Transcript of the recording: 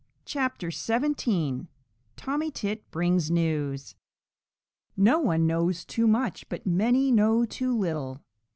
CHAPTER XVII TOMMY TIT BRINGS NEWS No one knows too much, but many know too little.